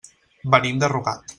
Venim de Rugat.